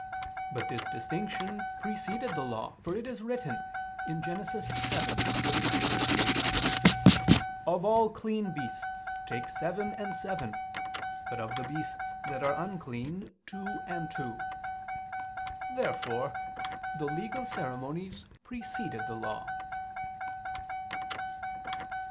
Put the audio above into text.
But this distinction preceded the Law; for it is written (Gen. 7:2, 3): "Of all clean beasts take seven and seven ... but of the beasts that are unclean, two and two." Therefore the legal ceremonies preceded the Law.